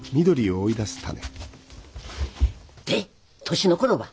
年の頃は？